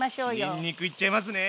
にんにくいっちゃいますね！